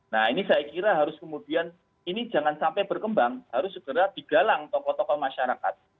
nah ini saya kira harus kemudian ini jangan sampai berkembang harus segera digalang tokoh tokoh masyarakat